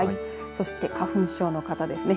そして花粉症の方ですね。